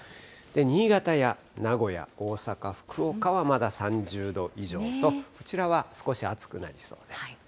新潟や名古屋、大阪、福岡はまだ３０度以上と、こちらは少し暑くなりそうです。